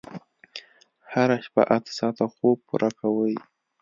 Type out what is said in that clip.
هره شپه اته ساعته خوب پوره کوئ.